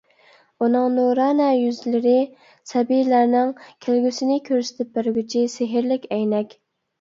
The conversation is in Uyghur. ئۇنىڭ نۇرانە يۈزلىرى سەبىيلەرنىڭ كەلگۈسىنى كۆرسىتىپ بەرگۈچى سېھىرلىك ئەينەك!